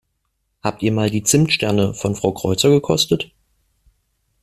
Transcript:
Habt ihr mal die Zimtsterne von Frau Kreuzer gekostet?